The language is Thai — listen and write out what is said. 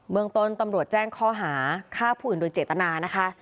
เมืองต้นตำรวจแจ้งข้อหาฆ่าผู้อื่นโดยเจตนานะคะ